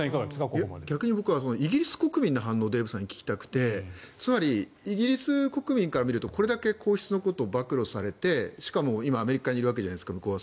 僕は逆にイギリス国民の反応をデーブさんに聞きたくてイギリス国民から見るとこれだけ皇室のことを暴露されてしかも今、アメリカにいるわけじゃないですか向こうは。